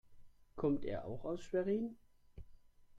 Kommt er auch aus Schwerin?